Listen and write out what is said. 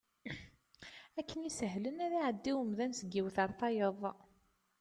Akken isehlen ad iɛeddi umdan deg yiwen ɣer wayeḍ.